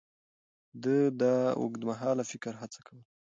ده د اوږدمهاله فکر هڅه کوله.